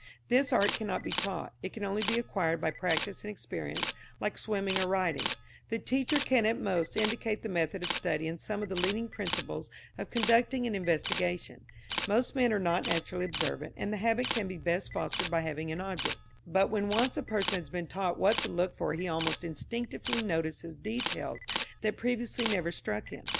This art cannot be taught; it can only be acquired by practice and experience, like swimming or riding. The teacher can at most indicate the method of study and some of the leading principles of conducting an investigation. Most men are not naturally observant, and the habit can be best fostered by having an object; but when once a person has been taught what to look for he almost instinctively notices details that previously never struck him.